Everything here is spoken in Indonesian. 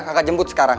kakak jemput sekarang